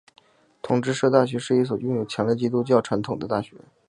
同志社大学是一所拥有强烈基督教传统的大学。